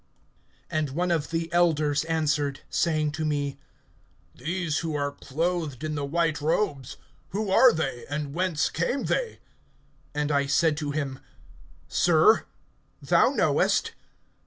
(13)And one of the elders answered, saying to me: These who are clothed in the white robes, who are they, and whence came they? (14)And I said to him: Sir, thou knowest.